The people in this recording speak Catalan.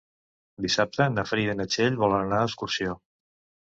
Dissabte na Frida i na Txell volen anar d'excursió.